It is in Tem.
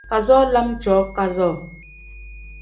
Kazoo lam cooo kazoo.